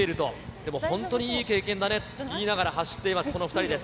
でも本当にいい経験だねと言いながら走っています、この２人です。